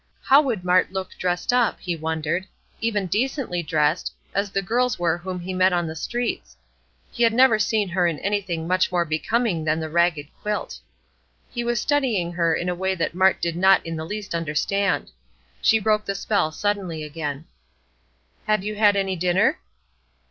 How would Mart look dressed up, he wondered; even decently dressed, as the girls were whom he met on the streets. He had never seen her in anything much more becoming than the ragged quilt. He was studying her in a way that Mart did not in the least understand. She broke the spell suddenly again: "Have you had any dinner?"